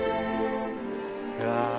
うわ。